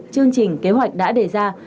chương trình kế hoạch đã đề ra